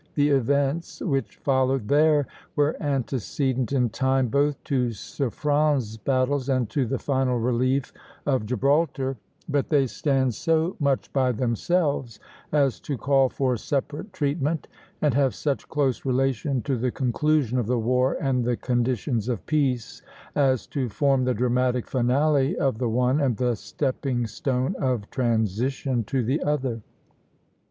The events which followed there were antecedent in time both to Suffren's battles and to the final relief of Gibraltar; but they stand so much by themselves as to call for separate treatment, and have such close relation to the conclusion of the war and the conditions of peace, as to form the dramatic finale of the one and the stepping stone of transition to the other.